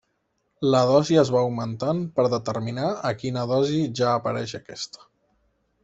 La dosi es va augmentant per determinar a quina dosi ja apareix aquesta.